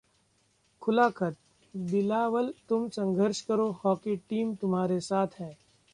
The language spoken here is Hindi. खुला खत: 'बिलावल तुम संघर्ष करो, हॉकी टीम तुम्हारे साथ है'